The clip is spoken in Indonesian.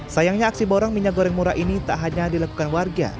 sayangnya aksi borong minyak goreng murah ini tak hanya dilakukan warga